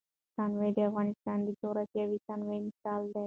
تنوع د افغانستان د جغرافیوي تنوع مثال دی.